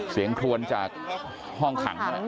เสียงทวนจากห้องขัง